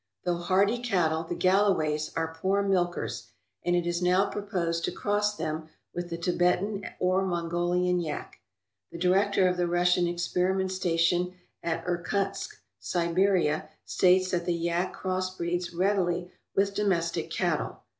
Though hardy cattle, the Galloways are poor milkers, and it is now proposed to cross them with the Tibetan or Mongolian yak. The director of the Russian experi ment station at Irkutsk, Siberia, states that the yak cross breeds readily with domestic cattle.